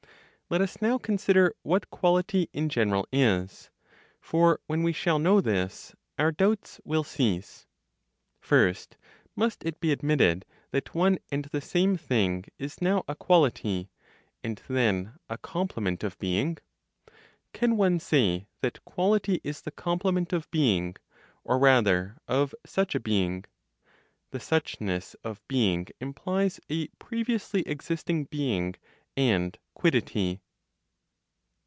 Let us now consider what quality in general is; for when we shall know this, our doubts will cease. First, must it be admitted that one and the same thing is now a quality, and then a complement of being? Can one say that quality is the complement of being, or rather of such a being? The suchness of being implies a previously existing being and quiddity.